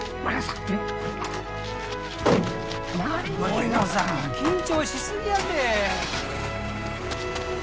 森野さん緊張しすぎやて。